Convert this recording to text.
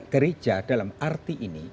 gereja dalam arti ini